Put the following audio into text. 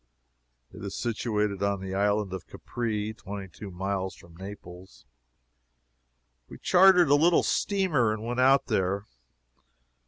It is situated on the Island of Capri, twenty two miles from Naples. We chartered a little steamer and went out there.